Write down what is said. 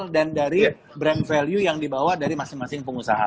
dan dari brand value yang dibawa dari masing masing pengusaha